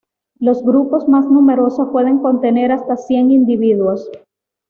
Los grupos más numerosos pueden contener hasta cien individuos.